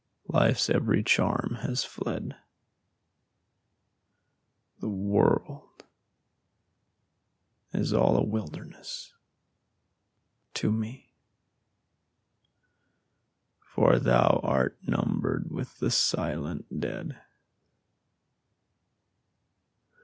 Life's every charm has fled, The world is all a wilderness to me; "For thou art numbered with the silent dead."